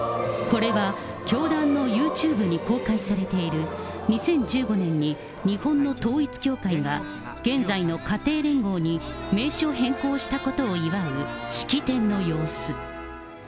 これは教団のユーチューブに公開されている、２０１５年に日本の統一教会が現在の家庭連合に名称変更したことを祝う式典の様子。